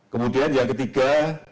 kemudian yang ketiga